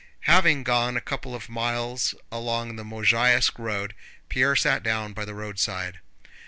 Having gone a couple of miles along the Mozháysk road, Pierre sat down by the roadside.